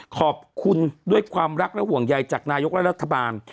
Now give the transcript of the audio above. ขอบคุณด้วยความรักและห่วงใยจากนายกและรัฐบาล